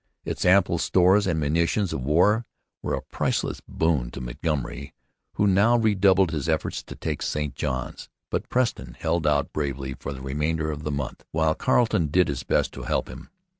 Its ample stores and munitions of war were a priceless boon to Montgomery, who now redoubled his efforts to take St Johns. But Preston held out bravely for the remainder of the month, while Carleton did his best to help him.